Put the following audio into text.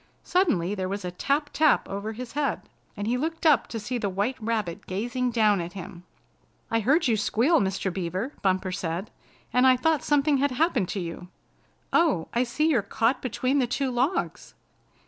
Suddenly there was a tap, tap over his head, and he looked up to see the White Rabbit gazing down at him. "I heard you squeal, Mr. Beaver," Bumper said, "and I thought something had happened to you. Oh, I see you're caught between the two logs!"